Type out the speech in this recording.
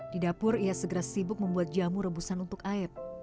di dapur ia segera sibuk membuat jamu rebusan untuk ayep